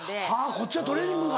こっちはトレーニングか。